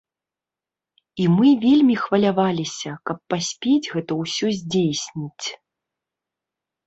І мы вельмі хваляваліся, каб паспець гэта ўсё здзейсніць.